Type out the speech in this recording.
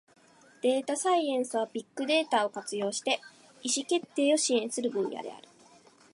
データサイエンスは、ビッグデータを活用して意思決定を支援する分野である。